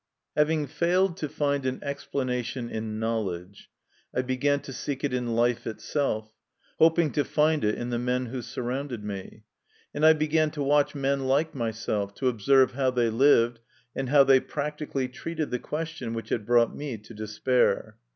Having failed to find an explanation in knowledge, I began to seek it in life itself, hoping to find it in the men who surrounded me ; and I began to watch men like myself, to observe how they lived, and how they practically treated the question which had brought me to despair.